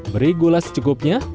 beri gula secukupnya